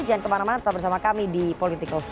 jangan kemana mana tetap bersama kami di political show